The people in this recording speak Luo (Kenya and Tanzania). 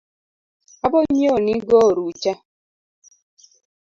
Abo nyieo ni go orucha